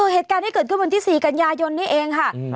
เหตุการณ์ที่เกิดขึ้นวันที่๔กันยายนนี่เองค่ะ